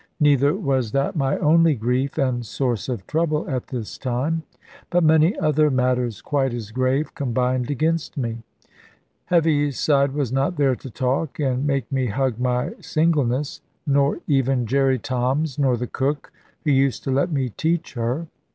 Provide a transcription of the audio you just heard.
Neither was that my only grief and source of trouble at this time; but many other matters quite as grave combined against me. Heaviside was not there to talk, and make me hug my singleness; nor even Jerry Toms, nor the cook, who used to let me teach her.